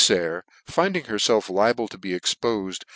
Sayer finding herfelf liable to be expofed